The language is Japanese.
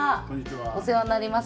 お世話になります。